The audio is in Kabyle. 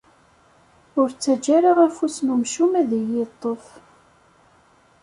Ur ttaǧǧa ara afus n umcum ad iyi-iṭṭef.